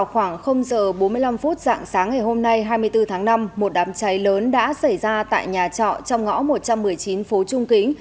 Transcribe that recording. khoảng giờ bốn mươi năm phút dạng sáng ngày hôm nay hai mươi bốn tháng năm một đám cháy lớn đã xảy ra tại nhà trọ trong ngõ một trăm một mươi chín phố trung kính